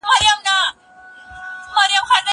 مړۍ پخه کړه!.